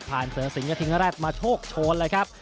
ผ่านเซอร์สิงห์ศิงรัฐมาโชคโชนเลยครับ